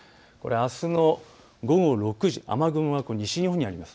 あすの午後６時、雨雲が西日本にあります。